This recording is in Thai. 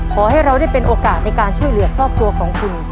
ขอให้เราได้เป็นโอกาสในการช่วยเหลือครอบครัวของคุณ